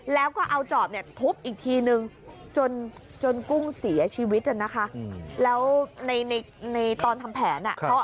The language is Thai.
แล้วก็เอาจอบเนี่ยทุบอีกทีนึงจนกุ้งเสียชีวิตนะคะแล้วในในตอนทำแผนอ่ะ